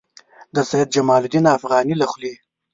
د سید جمال الدین افغاني له خولې.